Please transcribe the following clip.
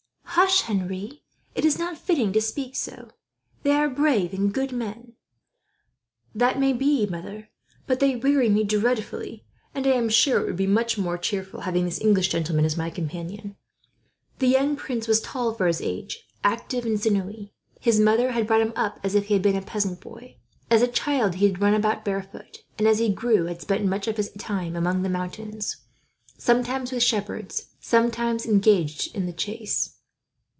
"Hush, Henri! It is not fitting to speak so. They are brave and good men." "They may be that, mother, but they weary me dreadfully; and I am sure it would be much more cheerful having this English gentleman as my companion." The young prince was tall for his age, active and sinewy. His mother had brought him up as if he had been a peasant boy. As a child he had run about barefoot and, as he grew, had spent much of his time among the mountains, sometimes with shepherds, sometimes engaged in the chase.